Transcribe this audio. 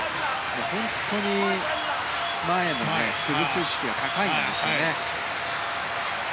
本当に前で潰す意識が高いんですね。